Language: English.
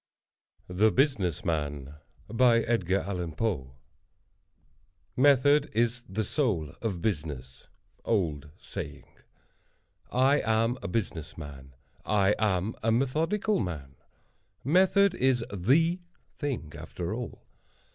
THE BUSINESS MAN Method is the soul of business.—OLD SAYING. I am a business man. I am a methodical man. Method is the thing, after all.